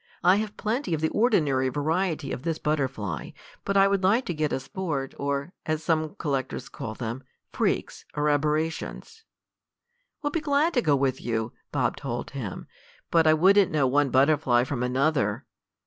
I have plenty of the ordinary variety of this butterfly, but I would like to get a sport or, as some collectors call them, 'freaks' or 'aberrations.'" "We'll be glad to go with you," Bob told him. "But I wouldn't know one butterfly from another."